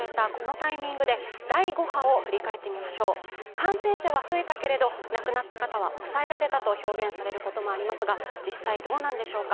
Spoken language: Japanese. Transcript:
感染者は増えたけれど亡くなった方は抑えられたと表現されることがありますが実際どうなんでしょうか。